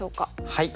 はい。